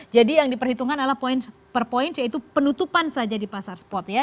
jadi yang diperhitungkan adalah point per point yaitu penutupan saja di pasar spot ya